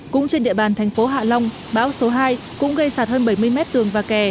cũng trên địa bàn thành phố hạ long bão số hai cũng gây sạt hơn bảy mươi mét tường và kè